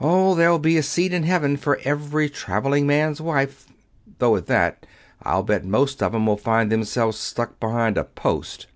Oh, there'll be a seat in Heaven for every traveling man's wife though at that, I'll bet most of 'em will find themselves stuck behind a post."